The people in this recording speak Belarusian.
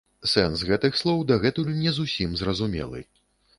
Сэнс гэтых слоў дагэтуль не зусім зразумелы.